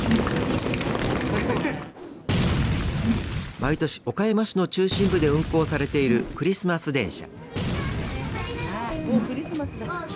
毎年、岡山市の中心部で運行されているクリスマス電車。